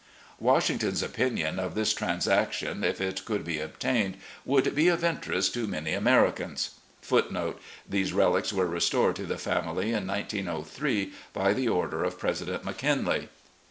Washington's opinion of this transaction, if it could be obtained, would be of interest to many Americans !* ♦These relics were restored to the family in 1903 by the order of President McKinley.